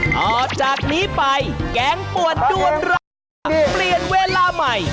ต่อจากนี้ไปแกงป่วนด้วนราคาเปลี่ยนเวลาใหม่